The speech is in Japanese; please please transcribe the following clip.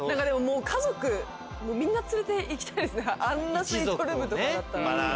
家族みんな連れて行きたいあんなスイートルームだったら。